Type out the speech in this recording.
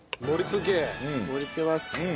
盛り付けます。